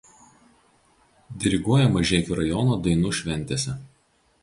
Diriguoja Mažeikių rajono dainų šventėse.